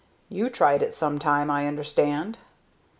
"You tried it some time, I understand?"